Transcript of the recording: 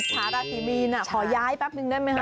ชาวราศรีมีนอะขอย้ายแป๊บหนึ่งได้ไหมครับ